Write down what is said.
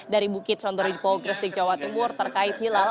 dari bukit sondori di pohok ristik jawa timur terkait hilal